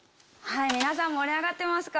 皆さん盛り上がってますか？